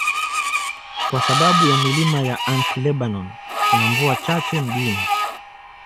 Kwa sababu ya milima ya Anti-Lebanon, kuna mvua chache mjini.